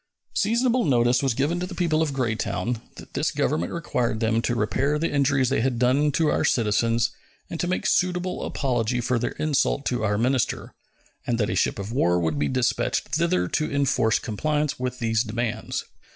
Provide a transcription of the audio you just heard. Seasonable notice was given to the people of Greytown that this Government required them to repair the injuries they had done to our citizens and to make suitable apology for their insult of our minister, and that a ship of war would be dispatched thither to enforce compliance with these demands.